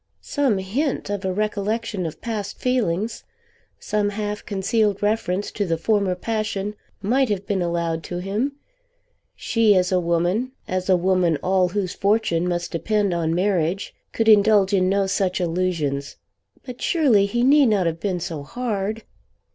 Some hint of a recollection of past feelings, some half concealed reference to the former passion might have been allowed to him! She as a woman, as a woman all whose fortune must depend on marriage, could indulge in no such allusions; but surely he need not have been so hard!